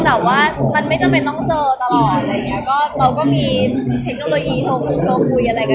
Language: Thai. เพราะยังว่าทำงานหลังตลอดที่จะมีสภัพคะอะไรด้วยกัน